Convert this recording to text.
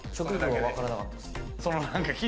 わからなかったです。